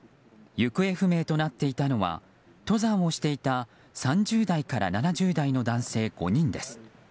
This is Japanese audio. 行方不明となっていたのは登山をしていた３０代から７０代の男性５人です。